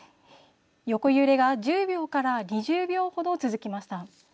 横揺れが１０秒から２０秒ほど続きました。